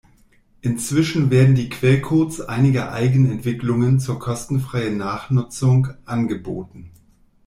Inzwischen werden die Quellcodes einiger Eigenentwicklungen zur kostenfreien Nachnutzung angeboten.